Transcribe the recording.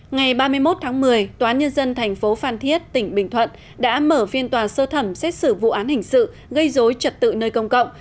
ngày ba mươi một tháng một mươi tòa nhân dân thành phố phan thiết tỉnh bình thuận đã mở phiên tòa sơ thẩm xét xử vụ án hình sự gây dối trật tự nơi công cộng